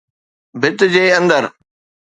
ڀت جي اندر.